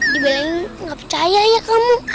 dibilangin gak percaya ya kamu